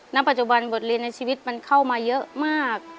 ณปัจจุบันบทเรียนในชีวิตมันเข้ามาเยอะมาก